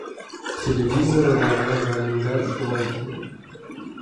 Телевизорҙағы ғалимдар шулай тине.